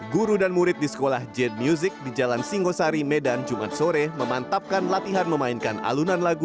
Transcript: guru dan murid di sekolah jade music di jalan singosari medan jumat sore memantapkan latihan memainkan alunan lagu